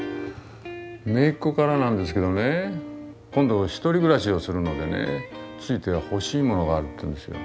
めいっ子からなんですけどね今度１人暮らしをするのでねついては欲しいものがあるって言うんですよ。